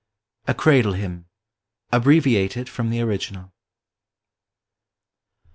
A CKADLE HYMN. ABBREVIATED from the original.